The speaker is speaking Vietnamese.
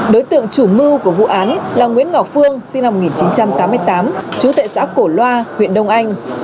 đối tượng chủ mưu của vụ án là nguyễn ngọc phương sinh năm một nghìn chín trăm tám mươi tám trú tại xã cổ loa huyện đông anh